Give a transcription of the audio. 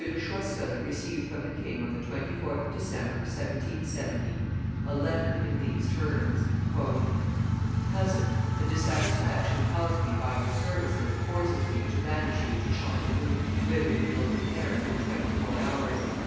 de Choiseul received from the king on the 24th of December, 1770, a letter in these terms: "Cousin, the dissatisfaction caused me by your services forces me to banish you to Chanteloup, whither you will repair within twenty four hours.